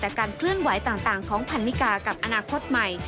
แต่การเคลื่อนไหวต่างของพันนิกากับอนาคตใหม่